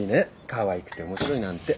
かわいくて面白いなんて。